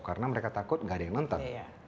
karena mereka takut gak ada yang nonton